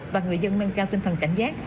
và người dân nâng cao tinh thần cảnh giác